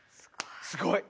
すごい！